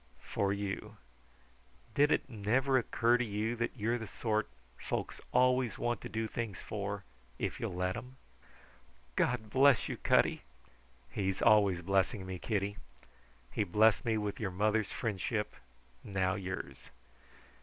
"For you. Did it never occur to you that you're the sort folks always want to do things for if you'll let them?" "God bless you, Cutty!" "He's always blessing me, Kitty. He blessed me with your mother's friendship, now yours.